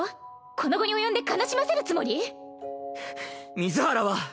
この期に及んで悲しませるつもり⁉水原は。